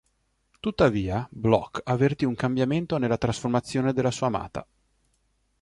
Tuttavia, Blok avvertì un cambiamento nella trasformazione della sua amata.